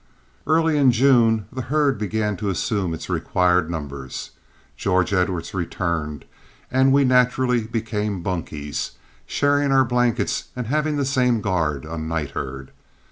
Early in June the herd began to assume its required numbers. George Edwards returned, and we naturally became bunkies, sharing our blankets and having the same guard on night herd.